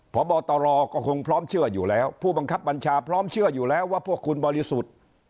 พบตรก็คงพร้อมเชื่ออยู่แล้วผู้บังคับบัญชาพร้อมเชื่ออยู่แล้วว่าพวกคุณบริสุทธิ์